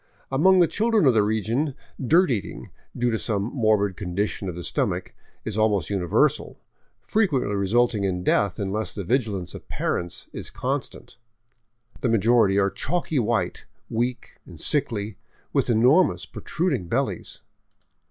Among the children of the region dirt eating, due to some morbid condition of the stomach, is almost universal, frequently resulting in death unless the vigilance of parents is constant. The majority are chalky white, weak and sickly, with enormous, protruding bellies.